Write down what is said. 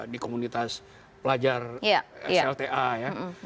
di komunitas pelajar slta ya